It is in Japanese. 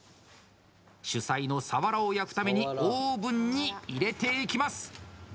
主菜のさわらを焼くためにオーブンに入れていきます。